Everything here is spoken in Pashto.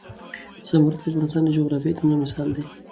زمرد د افغانستان د جغرافیوي تنوع مثال دی.